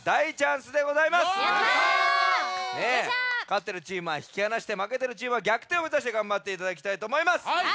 かってるチームはひきはなしてまけてるチームはぎゃくてんをめざしてがんばっていただきたいとおもいます。